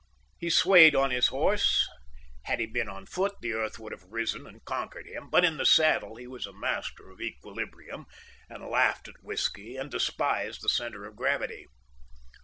He swayed on his horse; had he been on foot, the earth would have risen and conquered him; but in the saddle he was a master of equilibrium, and laughed at whisky, and despised the centre of gravity.